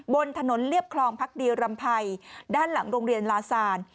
บนถนนเรียบคลองพักดีรำภัยด้านหลังโรงเรียนลาซาน